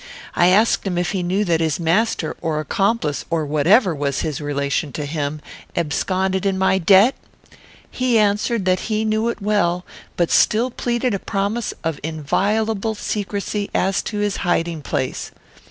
I asked him if he knew that his master, or accomplice, or whatever was his relation to him, absconded in my debt? He answered that he knew it well; but still pleaded a promise of inviolable secrecy as to his hiding place.